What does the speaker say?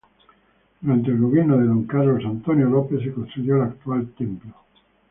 Durante el gobierno de Don Carlos Antonio López se construyó el actual templo.